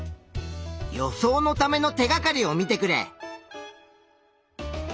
予想のための手がかりを見てくれ。